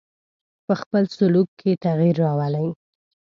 په خپل سلوک کې تغیر راولي.